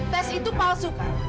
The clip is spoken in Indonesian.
tes itu palsu kan